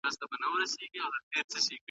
که اقليم تاثير درلودای نو نتيجه به بدله وه.